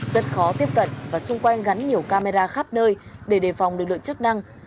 rất khó tiếp cận và xung quanh gắn nhiều camera khắp nơi để đề phòng lực lượng chức năng